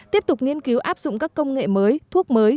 tiếp tục nghiên cứu áp dụng các công nghệ mới thuốc mới